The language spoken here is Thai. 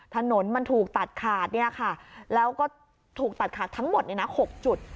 ถนนมันถูกตัดขาดเนี้ยค่ะแล้วก็ถูกตัดขาดทั้งหมดเนี้ยน่ะหกจุด